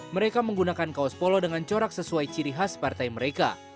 mereka menggunakan kaos polo dengan corak sesuai ciri khas partai mereka